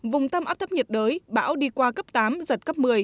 vùng tâm áp thấp nhiệt đới bão đi qua cấp tám giật cấp một mươi